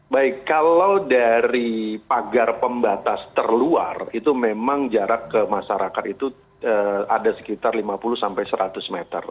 baik kalau dari pagar pembatas terluar itu memang jarak ke masyarakat itu ada sekitar lima puluh sampai seratus meter